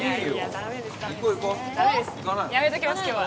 ダメですやめときます今日は。